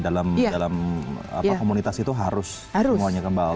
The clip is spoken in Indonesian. dalam komunitas itu harus semuanya kembali